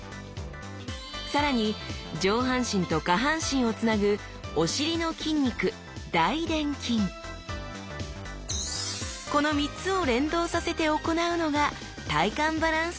更に上半身と下半身をつなぐこの３つを連動させて行うのが「体幹バランス」